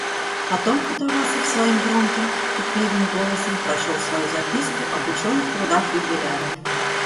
Потом Катавасов своим громким, крикливым голосом прочел свою записку об ученых трудах юбиляра.